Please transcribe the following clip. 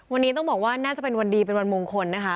วันนี้ต้องบอกว่าน่าจะเป็นวันดีเป็นวันมงคลนะคะ